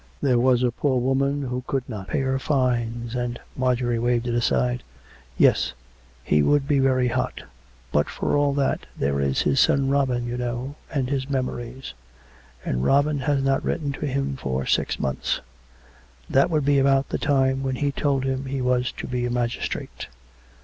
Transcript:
There was a poor woman who could not pay her fines; and " Marjorie waved it aside. " Yes ; he would be very hot ; but for all that, there is his son Robin you know — and his memories. And Robin has not written to him for six months. That would be about the time when he told him he was to be a magistrate."